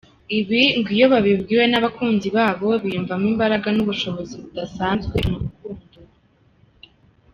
Ibi ngo iyo babibwiwe n’abakunzi babo biyumvamo imbaraga n’ubushobozi budasanzwe mu rukundo.